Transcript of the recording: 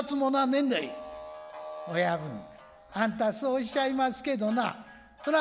「親分あんたそうおっしゃいますけどなそら